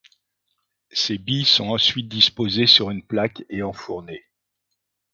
Ces billes sont ensuite disposées sur une plaque et enfournées.